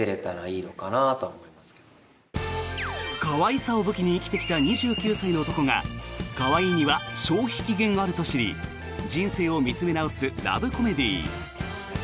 可愛さを武器に生きてきた２９歳の男が可愛いには消費期限があると知り人生を見つめ直すラブコメディー。